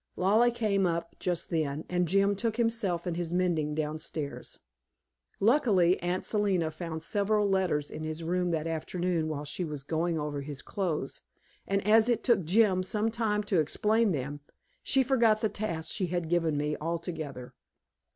Lollie came up just then, and Jim took himself and his mending downstairs. Luckily, Aunt Selina found several letters in his room that afternoon while she was going over his clothes, and as it took Jim some time to explain them, she forgot the task she had given me altogether.